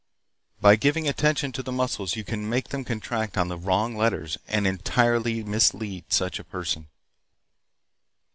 By giving attention to the muscles you can make them contract on the wrong letters and entirely mislead such a person.